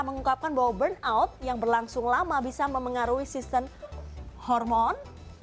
mengungkapkan bahwa burnout yang berlangsung lama bisa memengaruhi sistem hormon